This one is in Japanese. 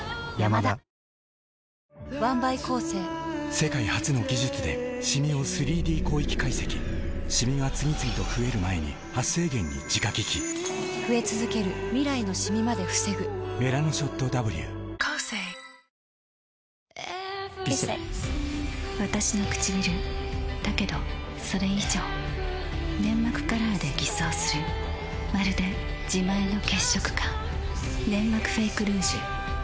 世界初の技術でシミを３Ｄ広域解析シミが次々と増える前に「メラノショットＷ」「ヴィセ」わたしのくちびるだけどそれ以上粘膜カラーで偽装するまるで自前の血色感「ネンマクフェイクルージュ」